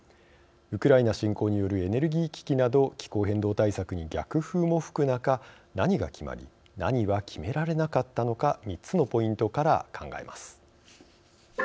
ウクライナ侵攻によるエネルギー危機など気候変動対策に逆風も吹く中何が決まり何は決められなかったのか３つのポイントから考えます。